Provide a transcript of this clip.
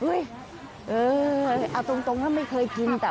เอ้ยเออเอาตรงไม่เคยกิน